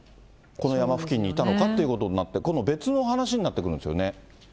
この山付近にいたのかということになって、今度別の話になってくるんですよね。